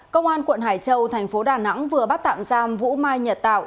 công an quận hải châu thành phố đà nẵng vừa bắt tạm giam vũ mai nhật tạo